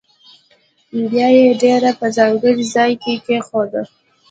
بیا یې ډبره په ځانګړي ځاې کې کېښوده.